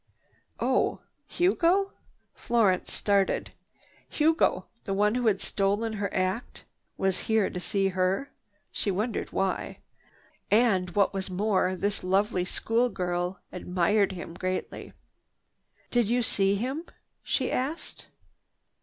"Oh, Hugo?" Florence started. Hugo, the one who had stolen her act, was here to see her. She wondered why. And, what was more, this lovely school girl admired him greatly. "Did you see him?" she asked.